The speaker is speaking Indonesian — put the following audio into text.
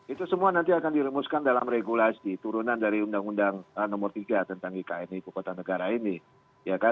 itu semua nanti akan diremuskan dalam regulasi turunan dari undang undang nomor tiga tentang ikn ibu kota negara ini